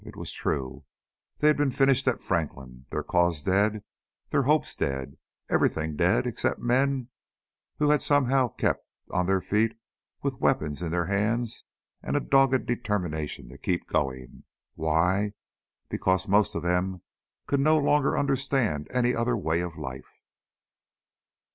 It was true ... they had been finished at Franklin, their cause dead, their hopes dead, everything dead except men who had somehow kept on their feet, with weapons in their hands and a dogged determination to keep going. Why? Because most of them could no longer understand any other way of life?